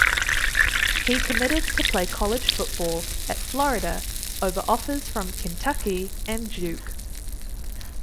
He committed to play college football at Florida over offers from Kentucky and Duke.